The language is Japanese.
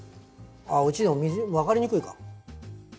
うちでも分かりにくいか？